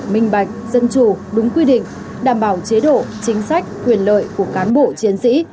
minh bạch dân chủ đúng quy định đảm bảo chế độ chính sách quyền lợi của cán bộ chiến sĩ